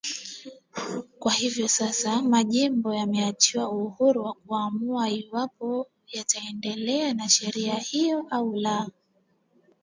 Kwa hivyo sasa, majimbo yameachiwa uhuru wa kuamua iwapo yataendelea na sheria hiyo au la.